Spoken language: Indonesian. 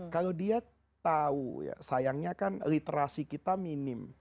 kalau dia tahu sayangnya kan literasi kita minim